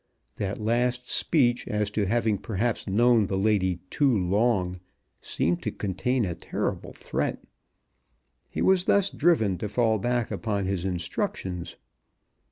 That last speech as to having perhaps known the young lady too long seemed to contain a terrible threat. He was thus driven to fall back upon his instructions.